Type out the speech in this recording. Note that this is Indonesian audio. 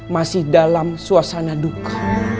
masih dalam suasana duka